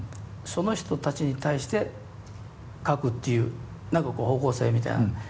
その人たちに対して書くっていう何か方向性みたいな。